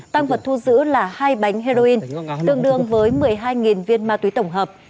tăng vật thu giữ là hai bánh heroin tương đương với một mươi hai viên ma túy tổng hợp